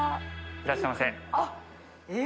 いらっしゃいませ。